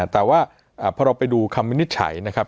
แต่ว่าพอเราไปดูคำวินิจฉัยนะครับ